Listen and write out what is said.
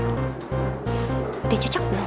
udah cocok dong